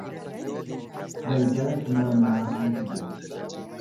Galgala kunoo naasuutu jira.